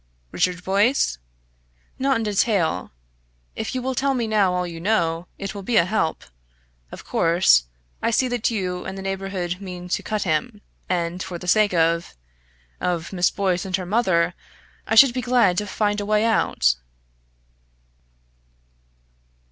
"Richard Boyce? Not in detail. If you will tell me now all you know, it will be a help. Of course, I see that you and the neighbourhood mean to cut him, and for the sake of of Miss Boyce and her mother, I should be glad to find a way out."